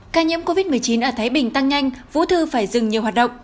ca nhiễm covid một mươi chín ở thái bình tăng nhanh vũ thư phải dừng nhiều hoạt động